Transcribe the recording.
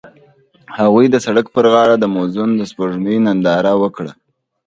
هغوی د سړک پر غاړه د موزون سپوږمۍ ننداره وکړه.